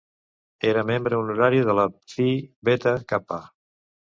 Era membre honorari de la Phi Beta Kappa.